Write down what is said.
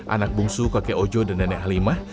anak bungsu kakek ojo dan nenek halimah